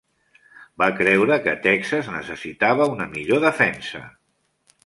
Va creure que Texas necessitava una millor defensa.